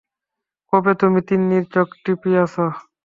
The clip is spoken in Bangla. কবে তুমি তিন্নির চোখ টিপিয়াছ।